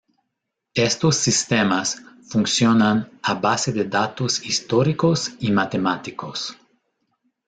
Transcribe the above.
Estos sistemas funcionan a base de datos históricos y matemáticos.